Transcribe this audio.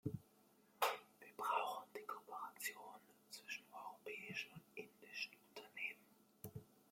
Wir brauchen die Kooperation zwischen europäischen und indischen Unternehmen.